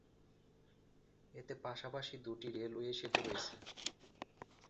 এতে পাশাপাশি দুটি রেলওয়ে সেতু রয়েছে।